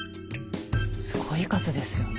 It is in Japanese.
すごい数ですよね。